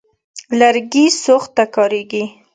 لرګي سوخت ته کارېږي.